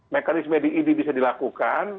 mekanisme di id bisa dilakukan